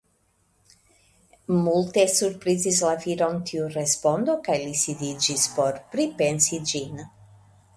Multe surprizis la viron tiu respondo kaj li sidiĝis por pripensi ĝin.